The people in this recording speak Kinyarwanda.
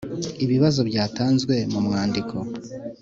ibibazo byatanzwe mu mwandiko